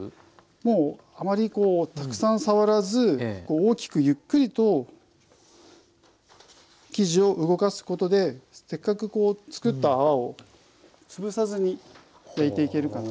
もうあまりたくさん触らず大きくゆっくりと生地を動かすことでせっかく作った泡を潰さずに焼いていけるかなと。